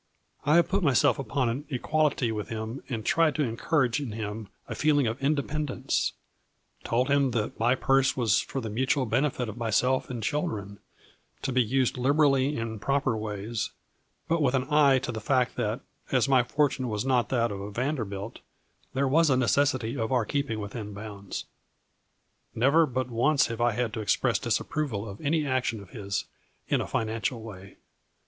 I have put myself upon an equality with him and tried to encourage in him a feeling of in dependence ; told him that my purse was for the mutual benefit of myself and children, to be used liberally in proper ways, but with an eye to the fact that, as my fortune was not that of a Vanderbilt, there was a necessity of our keep ing within bounds. " Never but once have I had to express disap proval of any action of his, in a financial way.